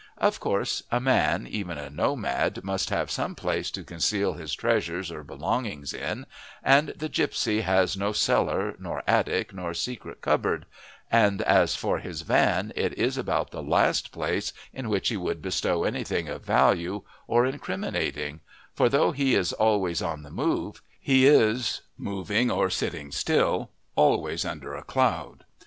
Of course a man, even a nomad, must have some place to conceal his treasures or belongings in, and the gipsy has no cellar nor attic nor secret cupboard, and as for his van it is about the last place in which he would bestow anything of value or incriminating, for though he is always on the move, he is, moving or sitting still, always under a cloud.